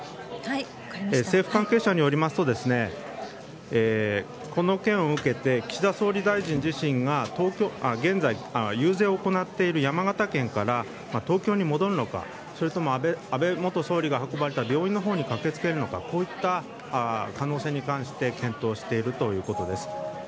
政府関係者によりますとこの件を受けて岸田総理大臣自身が現在、遊説を行っている山形県から東京に戻るのかそれとも安倍元総理が運ばれた病院に駆けつけるのかこういった可能性に関して検討しているということです。